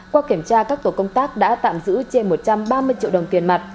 qua kiểm tra các tổ công tác đã tạm giữ trên một trăm ba mươi triệu đồng tiền mặt